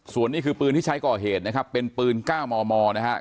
ส่วนนี้คือปืนที่ใช้ก่อเหตุนะครับเป็นปืน๙มมนะครับ